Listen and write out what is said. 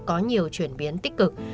có nhiều chuyển biến tích cực